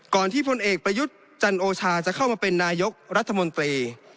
ที่พลเอกประยุทธ์จันโอชาจะเข้ามาเป็นนายกรัฐมนตรี